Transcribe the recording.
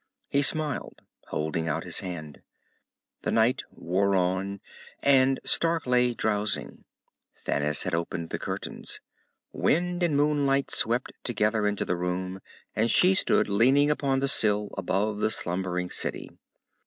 He smiled, holding out his hand. The night wore on, and Stark lay drowsing. Thanis had opened the curtains. Wind and moonlight swept together into the room, and she stood leaning upon the sill, above the slumbering city.